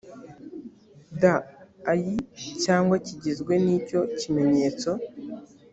d ayi cyangwa kigizwe n icyo kimenyetso